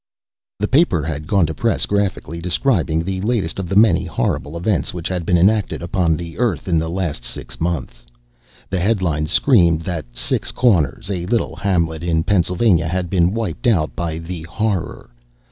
The paper had gone to press, graphically describing the latest of the many horrible events which had been enacted upon the Earth in the last six months. The headlines screamed that Six Corners, a little hamlet in Pennsylvania, had been wiped out by the Horror.